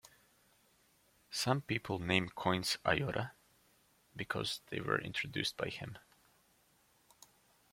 Some people name coins "ayora" because they were introduced by him.